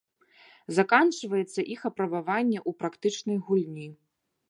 Заканчваецца іх апрабаванне ў практычнай гульні.